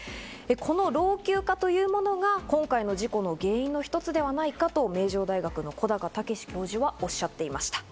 この老朽化というものが、今回の事故の原因の一つではないかと名城大学の小高猛司教授はおっしゃっていました。